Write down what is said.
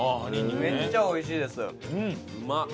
めっちゃ美味しいです。